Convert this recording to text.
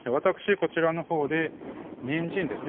こちらのほうでにんじんですね